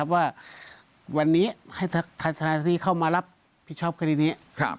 ว่าวันนี้ให้ธนาศาสตร์เข้ามารับผิดชอบคดีนี้